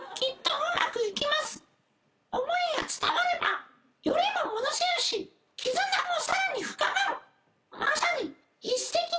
思いが伝わればよりも戻せるし絆もさらに深まる。